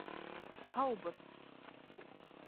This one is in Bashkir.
Һаубыҙ!